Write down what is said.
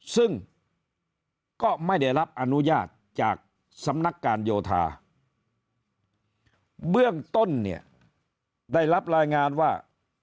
ซึ่งก็ไม่ได้รับอนุญาตจากสำนักการโยธาเบื้องต้นเนี่ยได้รับรายงานว่า